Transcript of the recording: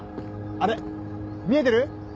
あれ見えてる？